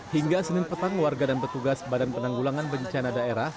hingga senin petang warga dan petugas badan penanggulangan bencana daerah